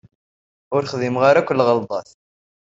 Ur xdimeɣ ara akk lɣelḍat.